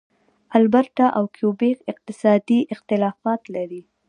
البرټا او کیوبیک اقتصادي اختلافات لري.